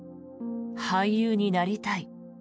俳優になりたい。